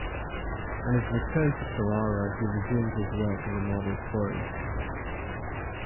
On his return to Carrara he resumed his work in the marble quarries.